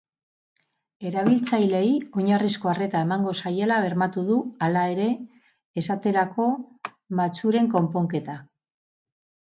Erabiltzaileei oinarrizko arreta emango zaiela bermatu du hala ere, esaterako matxuren konponketa.